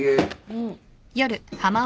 うん。